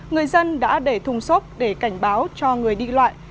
người dân đã để thùng xốp để cảnh báo cho người đi loại